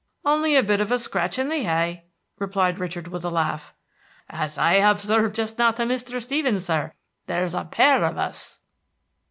"Only a bit of a scratch of the heye," replied Richard, with a laugh. "As I hobserved just now to Mr. Stevens, sir, there's a pair of us!"